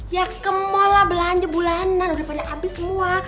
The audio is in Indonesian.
ya kemol lah belanja bulanan udah pada abis semua